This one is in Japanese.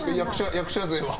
役者勢は？